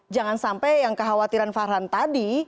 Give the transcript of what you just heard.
jangan sampai yang kekhawatiran farhan tadi